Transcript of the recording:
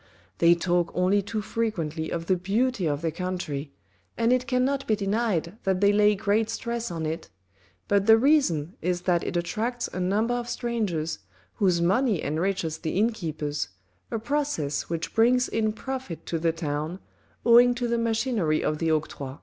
They talk only too frequently of the beauty of their country, and it cannot be denied that they lay great stress on it, but the reason is that it attracts a number of strangers, whose money enriches the inn keepers, a process which brings in profit to the town, owing to the machinery of the octroi.